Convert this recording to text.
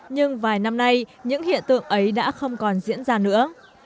nhưng vài năm nay những hiện tượng ấy đã không còn diễn ra nữa